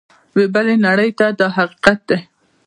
یوې بلې نړۍ ته دا حقیقت دی.